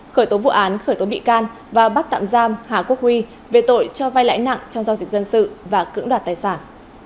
khởi tố vụ án khởi tố bị can và bắt tạm giam hà quốc huy về tội cho vai lãi nặng trong giao dịch dân sự và cưỡng đoạt tài sản